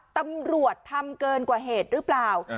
ตำรวจทำเกินกว่าเหตุหรือเปล่า